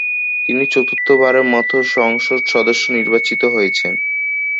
তিনি চতুর্থবারের মতো সংসদ সদস্য নির্বাচিত হয়েছেন।